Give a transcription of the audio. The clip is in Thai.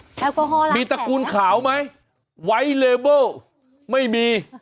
อากาฮอล้างแขนมีตระกูลขาวไหมไวท์เลเบอร์ไม่มี